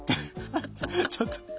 ちょっと。